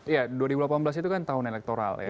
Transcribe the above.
ya dua ribu delapan belas itu kan tahun elektoral ya